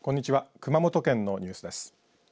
熊本県のニュースです。